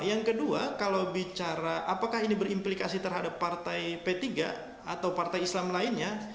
yang kedua kalau bicara apakah ini berimplikasi terhadap partai p tiga atau partai islam lainnya